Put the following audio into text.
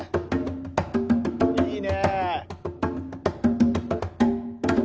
いいね。